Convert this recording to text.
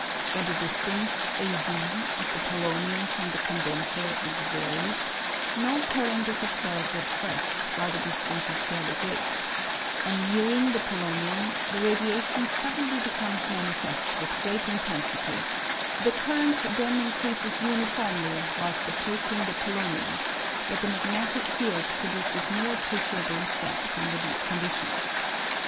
When the distance, a d, of the polonium from the condenser is varied, no current is ob served at first while the distance is fairly great ; on nearing the polonium, the radiation suddenly becomes manifest with great intensity ; the current then increases uniformly whilst approaching the polonium, but the magnetic field produces no appreciable efled under these conditions.